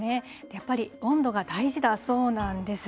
やっぱり温度が大事だそうなんです。